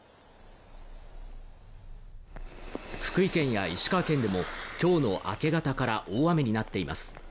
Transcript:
福井県や石川県でもきょうの明け方から大雨になっています